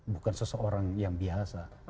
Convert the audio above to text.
bukan seseorang yang biasa